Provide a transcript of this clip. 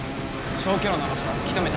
消去炉の場しょはつき止めた！